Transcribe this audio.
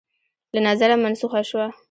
له نظره منسوخه شوه